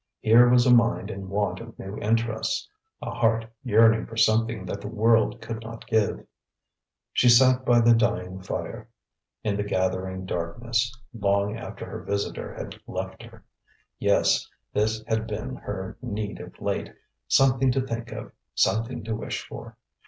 Here was a mind in want of new interests, a heart yearning for something that the world could not give. She sat by the dying fire, in the gathering darkness, long after her visitor had left her. Yes, this had been her need of late something to think of, something to wish for.